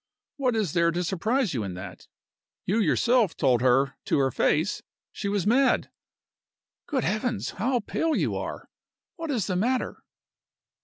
What is there to surprise you in that? You yourself told her to her face she was mad. Good Heavens! how pale you are! What is the matter?"